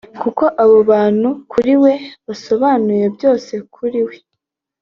kuko abo bantu kuri we basobanuye byose kuri we